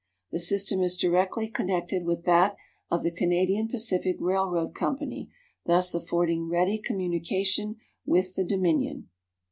The system is directly connected with that of the Canadian Pacific Railroad Company, thus affording ready communication with the Dominion.